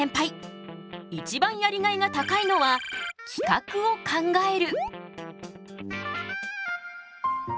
一番やりがいが高いのは企画を考える。